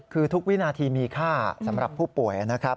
คือทุกวินาทีมีค่าสำหรับผู้ป่วยนะครับ